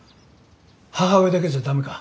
母親だけじゃダメか？